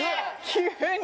急に。